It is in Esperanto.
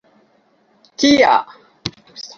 kia